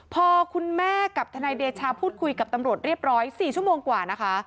พอคุณแม่กับทนายเดชาพูดคุยกับตำรวจเรียบร้อย๔ชั่วโมงกว่านะคะ